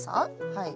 はい。